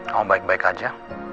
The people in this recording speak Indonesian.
kamu baik baik aja